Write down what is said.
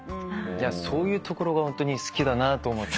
そういうところがホントに好きだなと思って。